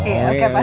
iya oke pak